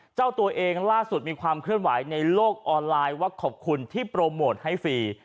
เจ้าตัวเองล่าสุดมีความเคลื่อนไหวในโลกออนไลน์ว่าขอบคุณที่โปรโมทให้ฟรี